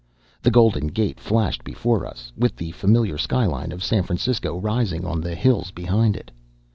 The Golden Gate flashed before us, with the familiar skyline of San Francisco rising on the hills behind it.